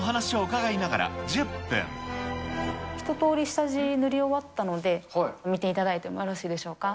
ひととおり、下地、塗り終わったので、見ていただいてもよろしいでしょうか。